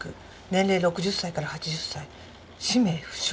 年齢６０歳から８０歳氏名不詳。